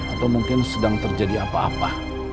atau mungkin sedang terjadi apa apa